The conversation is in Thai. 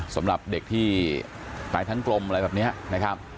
สำหรับเด็กที่ตายทั้งกลมอะไรแบบนี้นะครับ